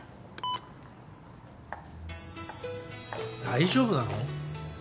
☎大丈夫なの？